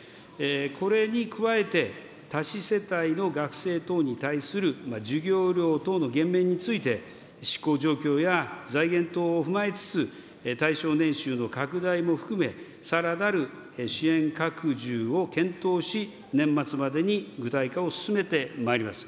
これに加えて、多子世帯の学生等に対する授業料等の減免について、執行状況や財源等を踏まえつつ、対象年収の拡大も含め、さらなる支援拡充を検討し、年末までに具体化を進めてまいります。